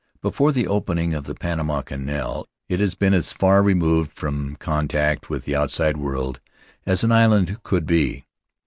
Before the opening of the Panama Canal it had been as far removed from contact with the outside world as an island could be.